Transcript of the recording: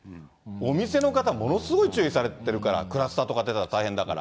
お店の方、ものすごい注意されてるから、クラスターとか出たら大変だから。